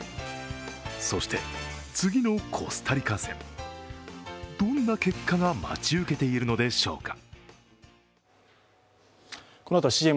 そして次のコスタリカ戦、どんな結果が待ち受けているのでしょうか。